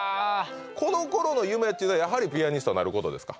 このころの夢っていうのはやはりピアニストなることですか？